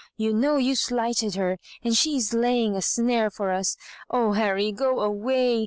You know you lighted her, and she is laying a snare for us. Oh, Harry, go away!